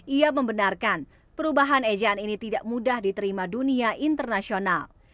ia membenarkan perubahan ejaan ini tidak mudah diterima dunia internasional